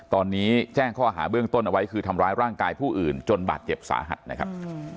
ตอนนี้แจ้งข้อหาเบื้องต้นเอาไว้คือทำร้ายร่างกายผู้อื่นจนบาดเจ็บสาหัสนะครับ